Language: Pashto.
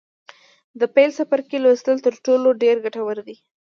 د پیل څپرکي لوستل تر ټولو ډېر ګټور دي.